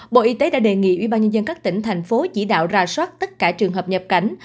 bộ y tế đã đề nghị ubnd các tỉnh thành phố chỉ đạo ra soát tất cả trường hợp nhập cảnh